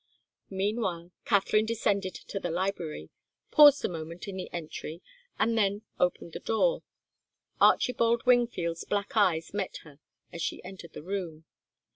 Meanwhile, Katharine descended to the library, paused a moment in the entry, and then opened the door. Archibald Wingfield's black eyes met her as she entered the room.